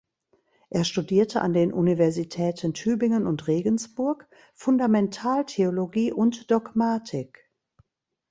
Er studierte an den Universitäten Tübingen und Regensburg Fundamentaltheologie und Dogmatik.